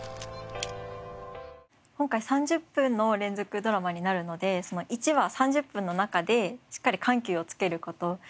今回３０分の連続ドラマになるのでその１話３０分の中でしっかり緩急をつける事。